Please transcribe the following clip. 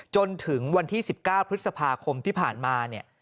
จนถึงวันที่๑๙พฤษภาคมที่ผ่านมาเนี่ย